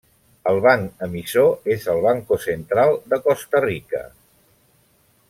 El banc emissor és el Banco Central de Costa Rica.